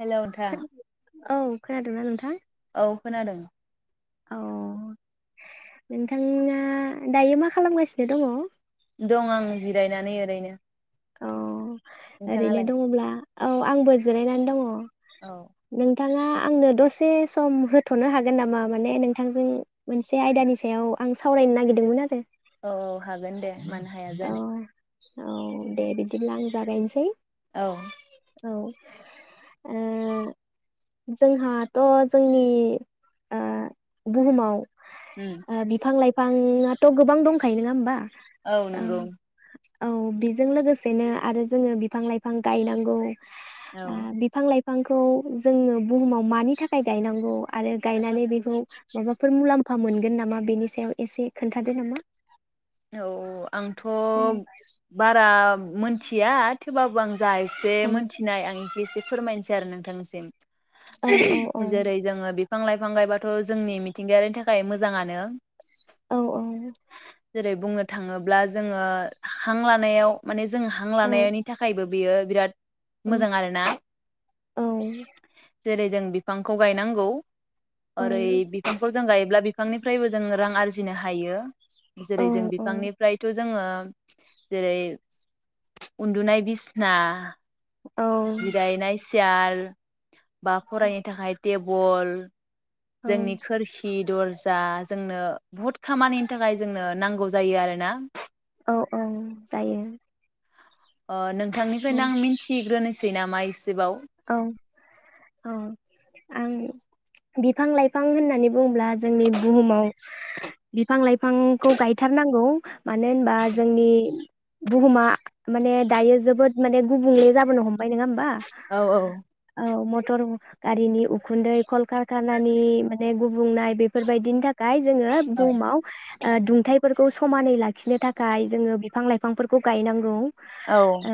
Hello नोंथां खोनादों औ खोनादोंना नोंथां औ खोनादों औ नोंथाङा दायो मा खालामगासिनो दङ दं आं जिरायनानै ओरैनो औ ओरैनो नोंथाङालाय दङब्ला औ आंबो जिरायनानै दङ औ नोंथाङा आंनो दसे सम होथनो हागोन नामा माने नोंथांजों मोनसे आयदानि सायाव आं सावरायनो नागिरदोंमोन आरो? औ औ हागोन दे मानो हाया औ जानो औ दे बिदिब्ला आं जागायनोसै औ औ ओ जोंहाथ जोंनि ओ बुहुमाव उम ओ बिफां-लाइफां बांआथ गोबां दंखायो नङा होमबा औ ओं नंगौ औ बेजों लोगोसेनो आरो जोङो बिफां लाइफां गायनांगौ औ बिफां लाइफां बिफांखौ जोङो बुहुमाव मानि थाखाय गायनांगौ आरो गायनानै बेखौ माबाफोर मुलाम मफा मोनगोन नामा बेनि सायाव एसे खोन्थादो नामा औ आंथ औ बारा मोनथिया थेबाबबो आं जा एसे मोनथिनाय आं बेखौ एसे फोरमायनोसै आरो औ औ नोंथांनिसिम जेरै जोङो बिफां लाइफां गायबाद थ जोंनि मिथिंगायारि थाखा थाखाय मोजाङानो । औ औ जेरै बुंनो थाङोब्ला जोङो ह हां लानायाव माने जों हां औ लानाय आनि थाखायबो बियो बिराद मोजां आरोना? औ जेरै जों बिफांखौ गायनांगौ ओरै बिफांफोर जों गायोब्ला बिफांनिफ्रायबो जों रां आरजिनो हायो औ जेरै जों बिफांनिफ्रायथ जोङो जेरै उन्दुनाय बिसिन्ना जिरायनाय सियार [unintelligible] बा फरायनो थाखाय टेबल औ जोंनि खोरखि दरज दा जोंनो बहुद खामानिनि थाखाय जोंनो नांगौ जायो आरोना। औ औ जायो अ नों थांनिफ्रायनो औ आं मिथिग्रोनोस थै नामा इसेबाव? औ औ आं बिफां लाइफां होननानै बुङोब्ला जोंनि बुहुमाव बिफां लाइफांखौ गायथारनांगौ मानो होनबा जोंनि बुहुमा माने दायो जोबोद माने गुबुंले जाबोनो हमबाय नङा होमबा औ औ औ म टर गारिनि उखुन्दै कल कारखानानि माने गुबुंनाय बेफोरबायदिनि था खाय जोङो औ बुहुमाव ओ दुंथाइफोरखौ समानै लाखिनो थाखाय जोङो बिफां लाइफांफोरखौ गायनांगौ। ओ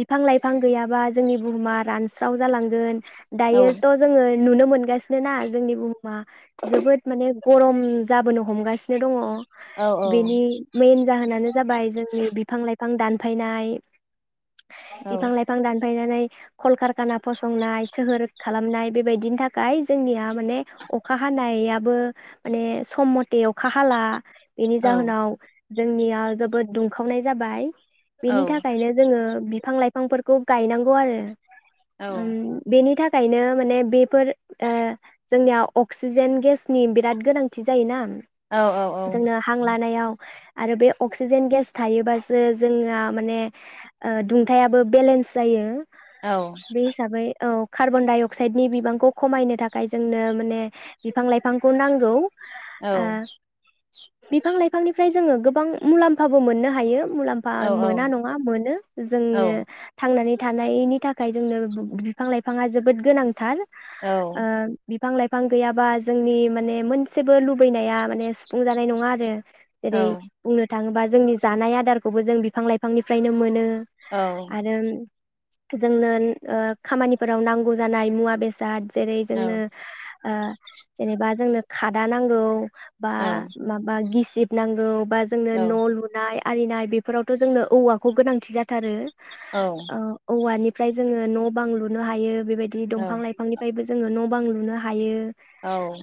बिफां लाइफां गैयाबा जोंनि बुहुमा रानस्राव जालांगोन। औ दायोथ जोङो नुनो मोनगासिनो ना जोंनि बुहु मा जोबोद माने गरम जाबोनो हमगासिनो दङ औ बेनि मेन जाहोनानो जाबाय जोंनि बिफां-लाइफां बिफां दानफायनाय औ बिफां लाइफां दान फायनानै कलकारखाना फसंनाय सोहोर खालामनाय बे बायदिनि थाखाय जोंनिया माने अखा हानायाबो माने सम मत थे दै अखा हाला बेनि औ जाहोनाव जोंनियाव जोबोद दुंखावनाय जाबाय। बेनि थाखायनो जोङो बि फां लाइफांफोरखौ गायनांगौ आरो औ उम बेनि थाख खायनो माने बेफोर ओ जोंनिया अक्सिजेन गेसनि बिराद गोनांथि जायोना औ औ जोंनो हां लानायाव आरो बे अक्सिजेन गेस थायोबासो जोंना माने दुंथायाबो बेलेन्स जायो औ बे हिसाबै औ कार्बन डाइ अक्साइडनि बिबांखौ खमायनो थाखाय जोंनो माने बिफां लाइफांखौ नांगौ। औ ओ बिफां लाइफांनिफ्राय जोङो गोबां मुलाम्फाबो मोननो हायो। मुलाम्फा मोना नङा मोनो जोंनो थांनानै थानायनि था खाय जोंनो बो बिफां लाइफाङा जोबोद गोनांथार। ओ बि फां लाइफां गैयाबा जोंनि माने मोनसेबो लुबैनाया माने सुफुंजानाय नङा आरो। एरै बुंनो थाङोबा जोंनि जानाय आदारखौबो जों बिफां लाइफांनिफ्रायनो मोनो आरो जोंनो ओ खामानिफोराव नांगौ जानाय मुवा बेसाद जेरै जोंनो ओ जेनेबा जोंनो खादा नांगौ। बा माबा गि दिबनांगौ बा जोंनो न लुनाय आरिनाय बेफोरावथ जोंनो औवाखौ गोनांथि जाथारो। औ औवानिफ्राय जोङो न बां लुनो हायो । बेबायदि दंफां लाइफांनिफ्रायबो जों जोङो न बां लुनो हायो।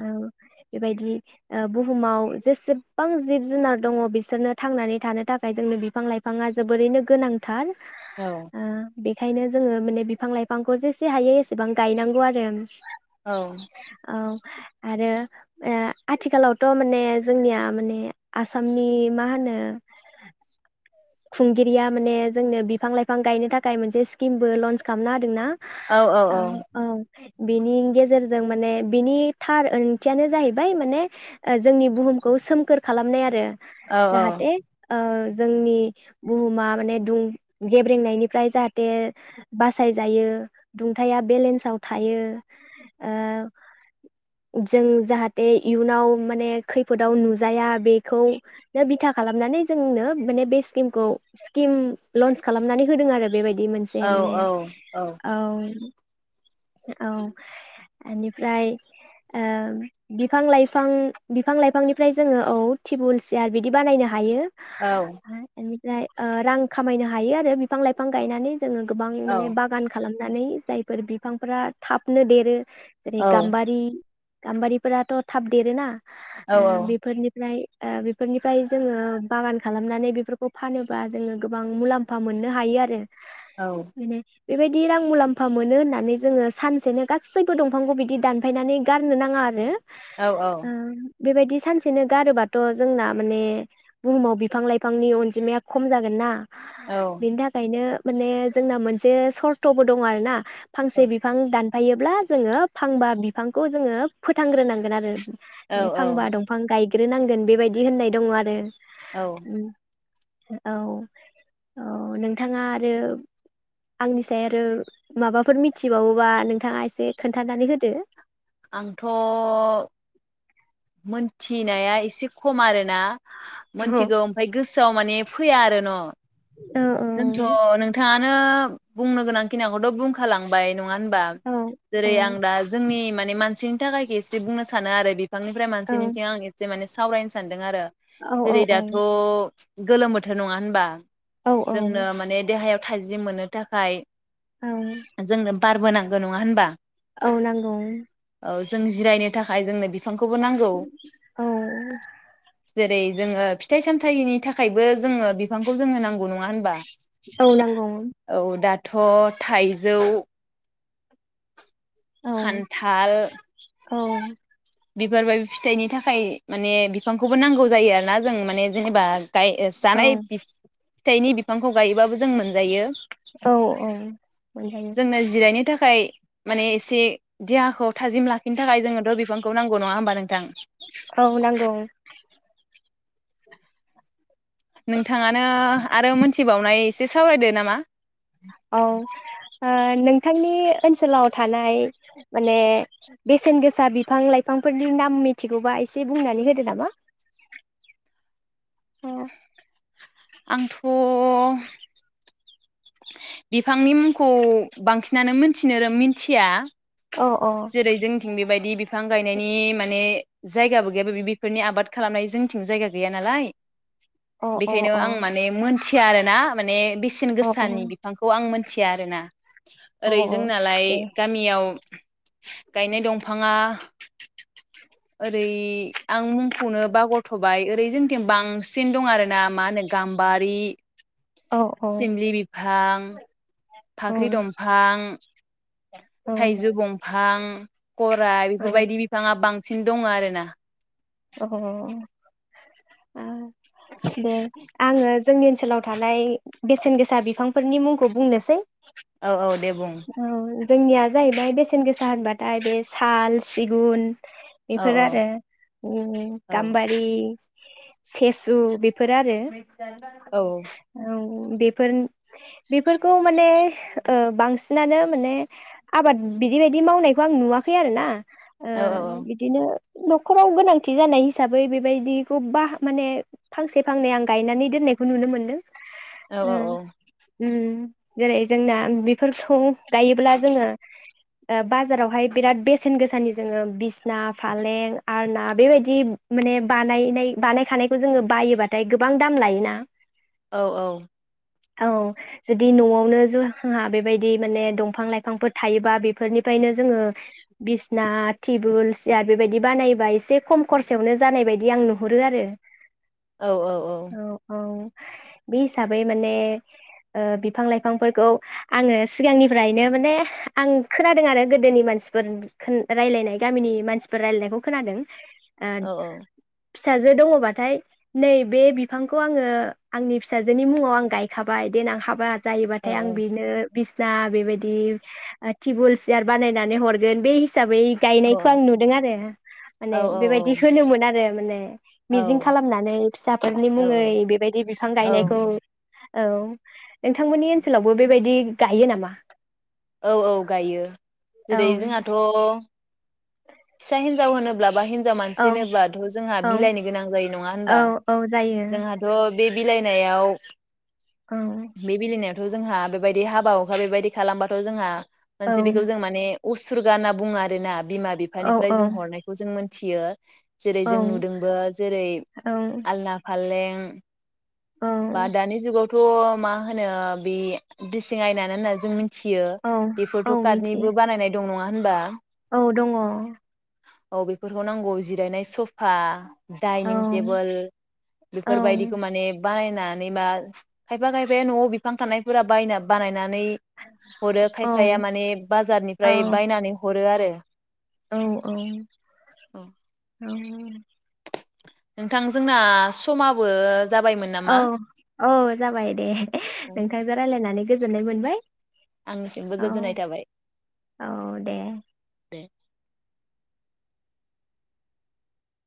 औ बेबायदि ओ बुहुमाव जेसेबां जिब जुनार दङ बिसोरनो थांनानै थानो थाखाय जोंनो बिफां लाइफाङा जोबोरैनो गोनांथार औ ओ बेखायनो जोङो माने बिफां लाइफांखौ जेसे हायो एसेबां गायनांगौ आरो औ औ आरो ओ आथिखालावथ माने जोंनिया माने आसामनि मा होनो। खुंगिरिया माने जोंनो बिफां लाइफां गायनो थाखाय मोनसे स्किमबो लन्स खालामनो होदोंना। औ औ औ बेनि गेजेरजों माने बिनि थार ओंथियानो जाहैबाय माने जोंनि बुहुमखौ सोमखोर खालामनाय आरो। औ औ जाहाथे ओ जोंनि बुहुमा माने दुं गेब्रेंनायनिफ्राय जाहाथे बासायजायो दुंथाया बेलेन्साव थायो ओ जों जाहाथे इयुनाव माने खैफोदाव नुजाया बेखौनो बिथा खालामनानै जोंनो माने बे स्किम खौ स्किम लन्स खालामनानै होदों आरो बेबाय बि मोनसे माने औ। औ एनिफ्राय ओ बिफां-लाइफां बिफां- लाइफांनिफ्राय जोङो औ टेबोल सियार बिदि बानायनो हायो। औ फ्राय रां खामायनो हायो आरो बिफां लाइफां गायनानै जोङो गोबां माने औ बागान खालाम नानै जायफोर बिफांफोरा थाबनो देरो जेरै गाम्बारि गाम्बारिफोराथ' थाब देरोना बेफोरनिफ्राय ओ बेफोरनिफ्राय जोङो बागान खालामनानै बेफोर खौ फानोबा जोङो गोबां मुलाम्फा मोननो हायो आरो [inaudible] माने बेबायदि रां मुलाम्फा मोनो होननानै जोङो सानसेनो गासैबो दंफांखौ बिदि दानफायनानै गारनो नाङा आरो। औ औ ओं बेबायदि सानसेनो गारोबाथ जोंना माने बुहुमाव बिफां लाइफांनि अनजि जिमाया खम जागोन ना बेनि थाखायनो माने जोंना मोनसे सर्तबो दङ आरो ना फांसे बिफां दान फायोब्ला जोङो फांबा बिफांखौ जोङो फोथांग्रोनांगोन आरो बे फांबा दंफां गाय ग्रोनांगोन बेबायदि होननाय दङ आरो औ। उम औ औ नोंथाङा आरो आंनिसे आरो माबाफोर मिथिबावोबा नोंथाङा एसे खोन्थानानै होदो। आंथ मोनथिनाया एसे खम आरोना औ मोनथिगौ ओमफ्राय गोसोआव माने फैया आरो न। औ जोंथ' नोंथाङा नो बुंनो गोनां खिनिखौथ' बुंखालांबाय नङा होनबा औ जेरै आं औ दा जोंनि माने मानसि थाखाय एसे बुंनो सानो आरो बिंफांनिफ्राय मानसि निथिं आं एसे माने सो सावरायनो सानदों आरो औ जेरै औ औ दाथ' गोलोम बोथोर नङा होनबा। औ औ जोंनो माने देहायाव थाजिम मोननो थाखाय औ बारबोनांगौ नङा होनबा औ नांगौ। औ जों जिरायनो थाखाय जोंनो बि बिफांखौबो नांगौ औ जेरै जोंङो फिथाइ सामथायनि थाखायबो जोंङो बि फांखौ जोंनो नांगौ नङा होन औ नांगौमोन। दाथ थाइजौ औ खान्थाल औ बिबार बा फिथाइनि थाखाय माने बिफांखौबो नांगौ जायो आरोना जों माने जेनेबा [unintelligible] औ जानाय बि फिथाइनि बि गायोबाबो जों मोनजायो। औ औ मोनजायो जोंनो जिरायनो थाखाय माने एसे देहाखौ थाजिम लाखिनो थाखाय जोंनोथ बिफांखौ नांगौ नङा होमबा नोंथां? औ नांगौ नोंथाङानो आरो मोनथिबावनाय एसे सावरायदो नामा? औ ओ नोंथांनि ओनसोलाव थानाय माने बेसेन गोसा बिफां लाइफांफोरनि नाम मिथिगौबा एसे बुंनानै होदो नामा? आंथ बिफांनि मुंखौ बांसिनानो मोनथिनो र मिनथिया अ अ जेरै जोंथिं बेबायदि बिफां गायनायनि माने जायगाबो गैयाबो बेफोरनि आबाद खालामनाय जोंथिं जायगा गैया नालाय अ अ बेखायनो आं माने मोनथि या आरो ना माने। बेसेन अ गोसानि बिफांखौ आं मोन थिया आरोना। अ ओरै जोंनालाय दे गामियाव गायनाय दंफाङा ओरै आं मुंखौनो बागरथबाय ओरै जोंथिं बांसिन दं आरो ना मा होनो गाम्बारि। औ औ सिमलि बिफां। फाख्रि दंफां थाइजौ बंफां [unintelligible] गराय बेफोरबायदि बिफाङा बां बांसिन दं आरोना अ दे आङो जोंनि ओनसोलाव थानाय बेसेन गोसा बिफांफोरनि मुंखौ बुंनोसै औ औ दे बुं औ जोंनिया जाहैबाय बेसेन गोसा होनबाथाय बे साल सिगुन औ बेफोर आरो उम औ गामबारि सेसु बेफोर आरो औ औ बेफोर बेफोरखौ माने ओ बांसिनानो माने आबाद बिदि बयदि मावनायखौ आं नुवाखै आरो ना। ओ औ बिदिनो [inaudible] फाव गोनांथि जानाय हिसाबै बेबायदिखौ बा माने फांसे फांनै आं गायनानै दोननायखौ नुनो मोन्दों औ औ औ। ओम जेरै जोंना बेफोर सब गायोब्ला जोङो बाजारावहाय बिराद बेसेन गोसानि जोङो बिसना फालें आरो ना बेबायदि माने बानायनाय बानायखानायखौ जोङो बायोबाथाय गोबां दाम लायोना औ औ औ जुदि नआवनो जोंहा बेबायदि माने दंफां लाइफांफोर थायोबा बेफोरनिफ्रायनो जोङो बिसना टेबोल सियार बेबायदि बानायो बा एसे खम खरसायावनो जानाय बायदि आं नुहुरो आरो। औ औ औ बे हिसाबै माने ओ बिफां लाइफांफोरखौ आङो सिगांनिफ्रायनो माने आं खोनादों आरो गोदोनि मानसिफोर [unintelligible] रायलायनाय गामिनि मानसिफोर रायलायनायखौ। खोनादों ओ औ औ। फिसाजो दङ'बाथाय नै बे बिफांखौ आङो आंनि फिसाजोनि मुङाव आं गायखाबाय देनां हाबा औ जायोबाथाय आं बेनो बिसना बेबायदि टेबुल सियार बानायनानै हरगोन बे हिसाब बै औ गायनायखौ आं नुदों आरो औ माने बेबायदि होनोमोन आरो आरो माने औ मिजिं खालामनानै फिसाफोरनि औ मुङै बेबायदि बिफां औ गायनायखौ औ नोंथांमोननि ओनसोलावबो बेबायदि गायो नामा? औ औ गायो औ जेरै जोंहाथ' फिसा हिनजाव होनोब्ला बा हिन हिन्जाव औ मानसि होनोबाथ जोंहा औ बिलाइनो गोनां जायो नङा औ होनबा औ जायो जोंहाथ बे बिलाइनायाव औ । बि लायनायाव जोंहा बेबायदि हाबा हुखा बेबायदि खालामबाथ जोंहा औ मोनसे बिखौ जों माने उसुरगा होनना बुङो आरो ना बिमा औ बिफानिफ्राय जों हरनायखौ जों मोन थियो। जेरै औ जों नुदोंबो जेरै औ आलना फालें ओम औ बा दानि जुगाव । थ मा होनो बि दिसिं आयनानो होनना जों मिथि थियो औ औ बेफोरथ' मिथियो कादनिबो बानायनाय दं नङा हो होमबा औ दङ औ बेफोरखौ नांगौ जिरायनाय सफा औ डाइनिं टेबोल औ बिफोरबायदिखो माने बानाय नानै माल खायफा खायफाया न'आव बिफां थानायफोरा बायना बानायना नै हरो औ खायफाया माने बाजारनिफ्राय बायनानै हरो आरो। औ औ औऔ नोंथां जोंना समाबो जाबायमोन औ नामा औ जाबाय देह नोंथांजों रायलायनानै गोजोननाय मोनबाय आंनिसिमबो औ गोजोननाय थाबाय। औ दे बे